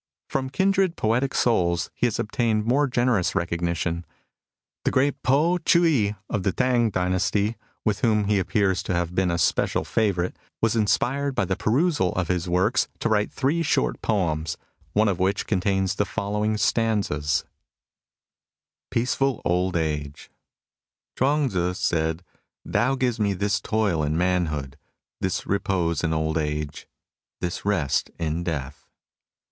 '* From kindred poetic souls he has obtained more generous recognition. The great Po Chii i, of the Tang dynasty, with whom he appears to have been a special favourite, was inspired by the perusal of his works to write three short poems, one of which contains the following stanzas ^: PEACEFUL OLD AGE Chu&ng Tzu said :Tao gives me this toil in manhood, this repose in old age, this rest in death.'